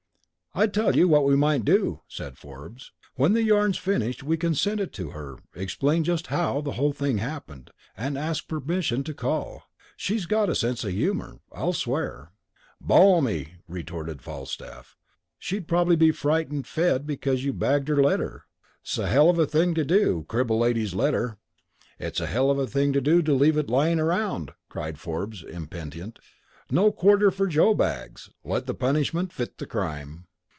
"I tell you what we might do," said Forbes. "When the yarn's finished we can send it to her, explain just how the whole thing happened, and ask permission to call. She's got a sense of humour, I'll swear!" "Balmy!" retorted Falstaff. "She'd probably be frightfully fed because you bagged her letter! 'S a hell of a thing to do, crib a lady's letter!" "It's a hell of a thing to do to leave it lying around!" cried Forbes, impenitent. "No quarter for Joebags! Let the punishment fit the crime."